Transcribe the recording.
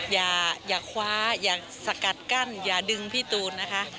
อย่าคว้าอย่าสกัดกั้นอย่าดึงพี่ตูนนะคะ